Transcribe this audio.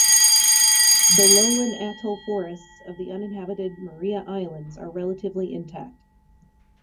The lowland atoll forests of the uninhabited Maria Islands are relatively intact.